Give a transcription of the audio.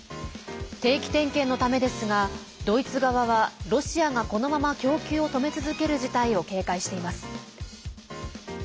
定期点検のためですがドイツ側は、ロシアがこのまま供給を止め続ける事態を警戒しています。